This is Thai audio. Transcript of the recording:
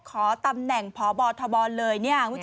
ขอตำแหน่งพบธบเลยนี่คุณผู้ชม